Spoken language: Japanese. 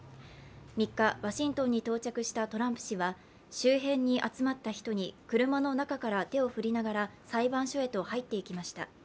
３日、ワシントンに到着したトランプ氏は周辺に集まった人に車の中から手を振りながら裁判所へと入っていきました。